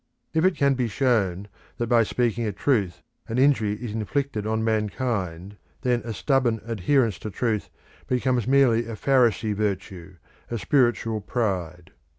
If it can be shown that by speaking the truth an injury is inflicted on mankind, then a stubborn adherence to truth becomes merely a Pharisee virtue, a spiritual pride.